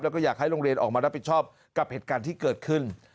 แล้วก็อยากให้โรงเรียนออกมารับผิดชอบกับเหตุการณ์ที่เกิดขึ้น